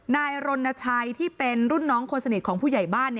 นายรณชัยที่เป็นรุ่นน้องคนสนิทของผู้ใหญ่บ้าน